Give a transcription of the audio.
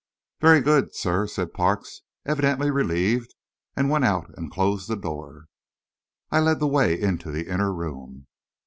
"Very good, sir," said Parks, evidently relieved, and went out and closed the door. I led the way into the inner room.